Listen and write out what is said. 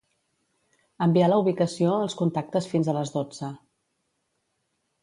Enviar la ubicació als contactes fins a les dotze.